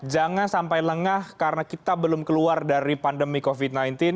jangan sampai lengah karena kita belum keluar dari pandemi covid sembilan belas